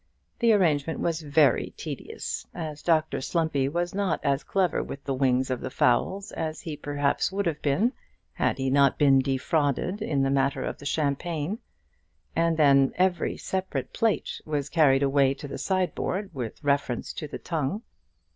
The arrangement was very tedious, as Dr Slumpy was not as clever with the wings of the fowls as he perhaps would have been had he not been defrauded in the matter of the champagne; and then every separate plate was carried away to the sideboard with reference to the tongue.